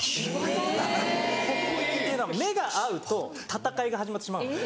・っていうのは目が合うと戦いが始まってしまうので。